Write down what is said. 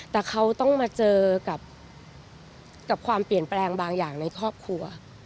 แต่เขาต้องมาเจอกับความเปลี่ยนแปลงบางอย่างในครอบครัว